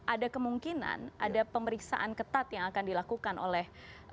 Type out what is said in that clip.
ada kemungkinan ada pemeriksaan ketat yang akan dilakukan oleh